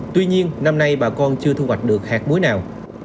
tuy nhiên năm nay bà con chưa thu hoạch được hạt muối nào